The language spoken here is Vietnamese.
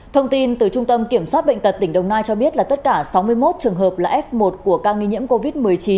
thông tin từ trung tâm kiểm soát bệnh tật tỉnh đồng nai cho biết là tất cả sáu mươi một trường hợp là f một của ca nghi nhiễm covid một mươi chín